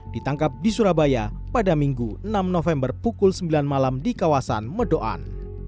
ditangkap di surabaya pada minggu enam november pukul sembilan malam di kawasan medoan